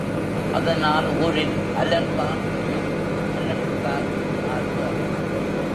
அதனால் ஊரில் அலர்தான் எழும் மலர்த்தார் மார்ப!